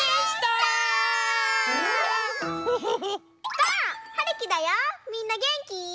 ばあっ！はるきだよみんなげんき？